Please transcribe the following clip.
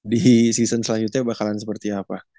di season selanjutnya bakalan seperti apa